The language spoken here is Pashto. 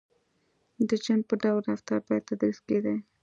• د جن په ډول رفتار باید تدریس کېدای.